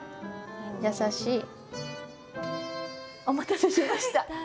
優しい。お待たせしました。